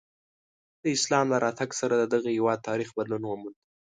د اسلام له راتګ سره د دغه هېواد تاریخ بدلون وموند.